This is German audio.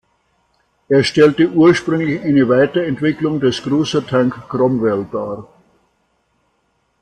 Er stellte ursprünglich eine Weiterentwicklung des Cruiser Tank Cromwell dar.